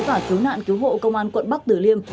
và cứu nạn cứu hộ công an quận bắc tử liêm